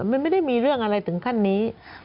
มันไม่ได้มีเรื่องอะไรถึงขั้นนี้